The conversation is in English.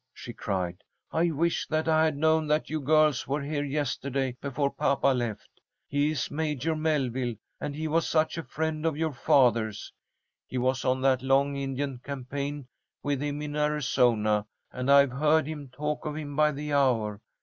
she cried. "I wish that I had known that you girls were here yesterday before papa left. He is Major Melville, and he was such a friend of your father's. He was on that long Indian campaign with him in Arizona, and I've heard him talk of him by the hour.